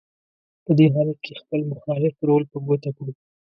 په دې حالت کې خپل مخالف رول په ګوته کړو: